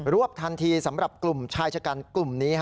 วบทันทีสำหรับกลุ่มชายชะกันกลุ่มนี้